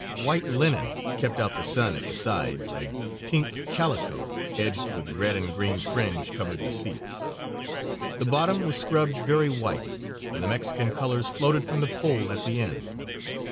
White linen kept out the sun at the sides, and pink calico, edged with red and green fringe, covered the seats. The bottom was scrubbed very white and the Mexican colors floated from the pole at the end.